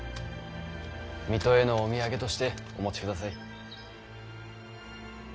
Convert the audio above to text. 水戸へのお土産としてお持ちください。